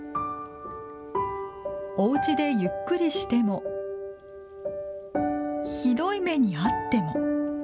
おうちでゆっくりしてもひどい目に遭っても。